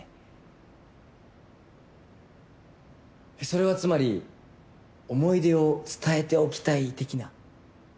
それはつまり思い出を伝えておきたい的な？